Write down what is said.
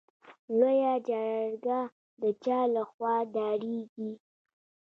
لویه جرګه د چا له خوا دایریږي؟